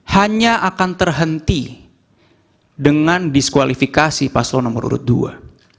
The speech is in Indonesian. hanya akan terhenti dengan diskualifikasi paslon nomor urut dua